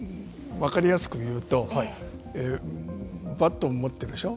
分かりやすく言うとバットを持っているでしょう。